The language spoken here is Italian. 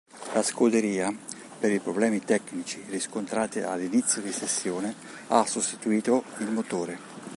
La scuderia, per i problemi tecnici riscontrati all'inizio di sessione, ha sostituito il motore.